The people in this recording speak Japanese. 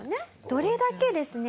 どれだけですね